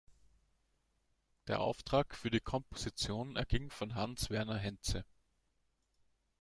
Der Auftrag für die Komposition erging von Hans Werner Henze.